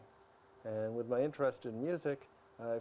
sebelum itu saya pikir